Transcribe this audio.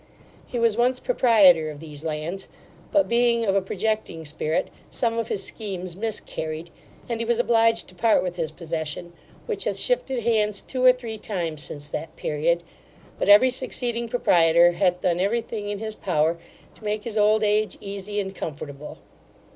He was once proprietor of these lands; but being of a projecting spirit, some of his schemes miscarried, and he was obliged to part with his possession, which hath shifted hands two or three times since that period; but every succeeding proprietor hath done every thing in his power, to make his old age easy and comfortable.